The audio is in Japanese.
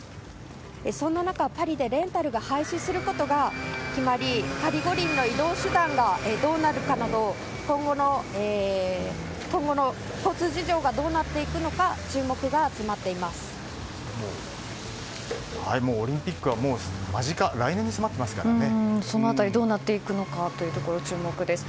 そんな中、パリでレンタルが廃止することが決まりパリ五輪の移動手段がどうなるかなど、今後の交通事情がどうなっていくのかオリンピックは、もう間近その辺りどうなっていくのか注目です。